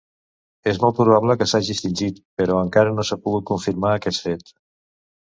És molt probable que s'hagi extingit, però encara no s'ha pogut confirmar aquest fet.